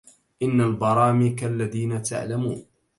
إن البرامكة الذين تعلموا